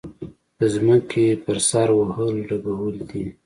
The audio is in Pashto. د ځمکې پر سر وهل ډبول دي.